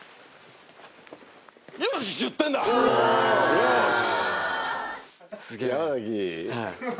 よし。